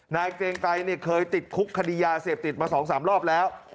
เกรงไกรเคยติดคุกคดียาเสพติดมา๒๓รอบแล้ว